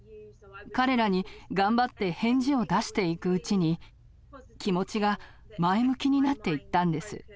彼らに頑張って返事を出していくうちに気持ちが前向きになっていったんです。